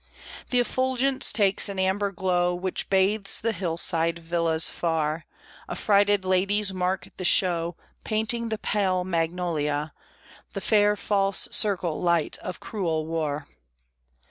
The effulgence takes an amber glow Which bathes the hillside villas far; Affrighted ladies mark the show Painting the pale magnolia The fair, false, Circe light of cruel War.